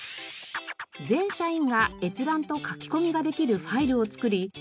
全社員が閲覧と書き込みができるファイルを作り